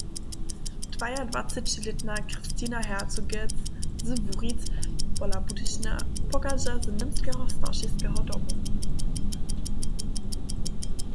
Dwajadwacećilětna Kristina Herzogec z Wuric pola Budyšina pochadźa z němskeho staršiskeho domu.